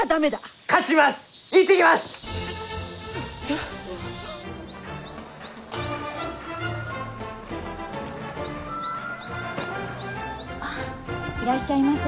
あいらっしゃいませ。